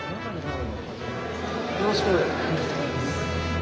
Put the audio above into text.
よろしく。